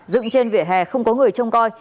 dựng trên vỉa hè không có người trông coi